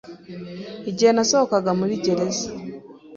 Igihe nasohokaga muri gereza,